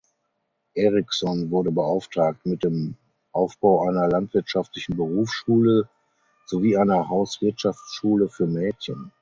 Erickson wurde beauftragt mit dem Aufbau einer landwirtschaftlichen Berufsschule sowie einer Hauswirtschaftsschule für Mädchen.